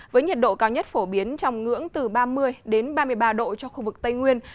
với nhiệt độ cao nhất phổ biến trong ngưỡng từ ba mươi ba mươi ba độ cho khu vực tây nguyên